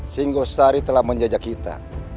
singgo sari telah menjajah kita